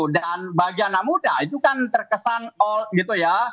dan bagian anak muda itu kan terkesan gitu ya